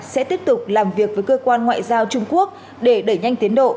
sẽ tiếp tục làm việc với cơ quan ngoại giao trung quốc để đẩy nhanh tiến độ